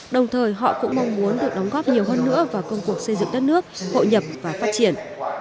đồng thời họ cũng mong muốn được đóng góp nhiều hơn nữa vào công cuộc xây dựng đất nước hội nhập và phát triển